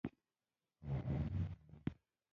هګۍ د حلالو خوړو برخه ده.